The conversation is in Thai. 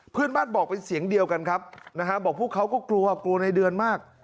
เพื่อนบ้านบอกเป็นเสียงเดียวกันครับนะฮะบอกพวกเขาก็กลัวกลัวในเดือนมาก